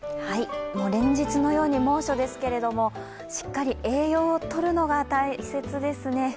連日のように猛暑ですけれども、しっかり栄養を取るのが大切ですね。